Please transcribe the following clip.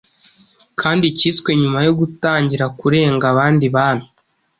kandi cyiswe nyuma yo gutangiraKurenga Abandi Bami